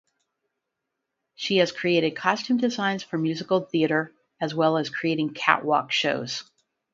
She has created costume designs for musical theatre as well as creating catwalk shows.